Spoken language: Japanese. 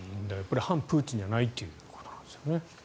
反プーチンじゃないっていうことなんですよね。